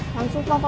langsung telefon aku